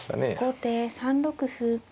後手３六歩。